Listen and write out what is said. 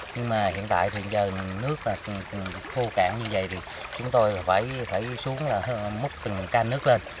nhưng mà hiện tại thì giờ nước khô cạn như vậy thì chúng tôi phải xuống là múc từng can nước lên